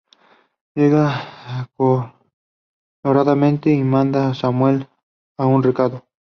Llega acaloradamente y manda a Samuel a un recado.